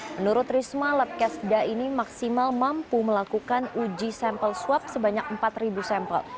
menurut risma labkesda ini maksimal mampu melakukan uji sampel swab sebanyak empat sampel